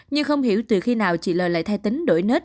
nhưng không hiểu từ khi nào chị l lại thay tính đổi nết